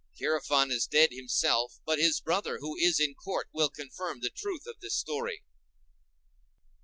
Chærephon is dead himself, but his brother, who is in court, will confirm the truth of this story.